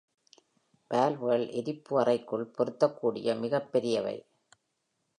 வால்வுகள் எரிப்பு அறைக்குள் பொருத்தக்கூடிய மிகப்பெரியவை.